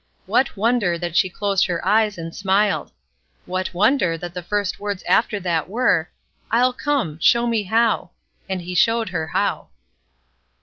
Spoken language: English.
What wonder that she closed her eyes and smiled! What wonder that the first words after that were: "I'll come; show me how." And He showed her how.